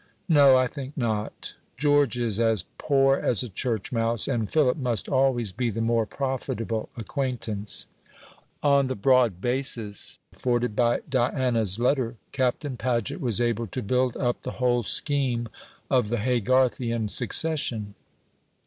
No; I think not. George is as poor as a church mouse, and Philip must always be the more profitable acquaintance." On the broad basis afforded by Diana's letter Captain Paget was able to build up the whole scheme of the Haygarthian succession.